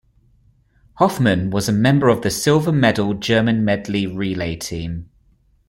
Hoffmann was a member of the silver medal German medley relay team.